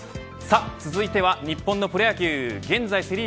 続いては、日本のプロ野球。